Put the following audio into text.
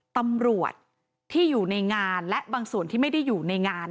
ตำรวจที่อยู่ในงานและบางส่วนที่ไม่ได้อยู่ในงาน